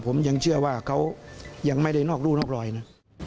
ผมยังเชื่อว่าเขายังไม่ได้นอกรู่นอกรอยนะ